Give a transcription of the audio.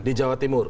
di jawa timur